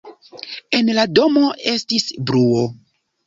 En la domo estis bruo.